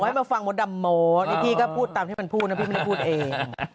ให้มาฟังมดดำโม้นี่พี่ก็พูดตามที่มันพูดนะพี่ไม่ได้พูดเอง